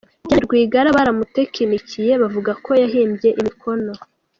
– Diane Rwigara baramutekinikiye bavuga ko yahimbye imikono ;